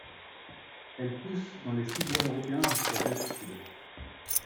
Elle pousse dans les sous-bois européens jusqu'à d'altitude.